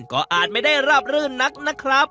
ก็อาจไม่ได้ราบรื่นนักนะครับ